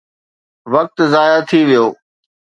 وقت ضايع ٿي ويو.